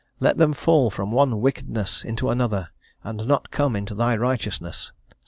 "Let them fall from one wickedness into another, and not come into Thy righteousness" (Ps.